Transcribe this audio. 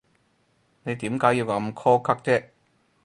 你點解要咁苛刻啫？